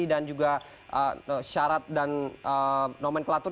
dan juga syarat dan nomenklatur